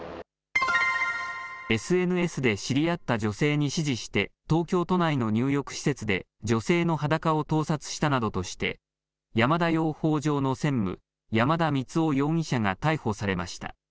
ＳＮＳで知り合った女性に指示して東京都内の入浴施設で女性の裸を盗撮したなどとして山田養蜂場の専務、山田満生容疑者が逮捕されました。